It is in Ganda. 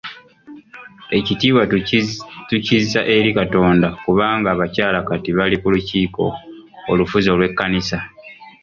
Ekitiibwa tukizza eri Katonda kubanga abakyala kati bali ku lukiiko olufuzi olw'ekkanisa.